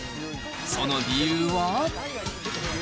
その理由は？